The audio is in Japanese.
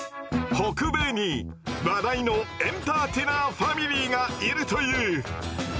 北米に話題のエンターティナーファミリーがいるという。